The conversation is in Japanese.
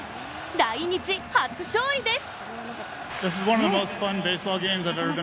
来日初勝利です！